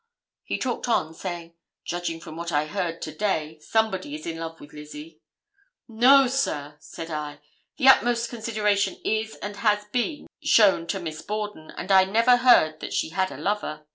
He talked on, saying, 'Judging from what I heard to day, somebody is in love with Lizzie.' 'No, sir,' said I, 'the utmost consideration is and has been shown to Miss Borden, and I never heard that she had a lover.